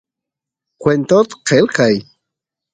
kwentot qelqay